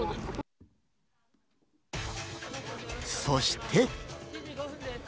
そして。